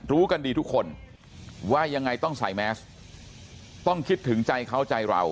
รู้กันดีทุกคนว่ายังไงต้องใส่แมสต้องคิดถึงใจเขาใจเรา